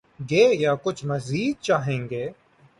گے یا کچھ مزید چاہیں گے؟